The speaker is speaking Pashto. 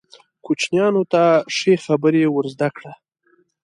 کوچنیانو ته ښې خبرې ور زده کړه.